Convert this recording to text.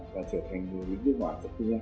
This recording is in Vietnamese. và trở thành người lính nước ngoài trong tương lai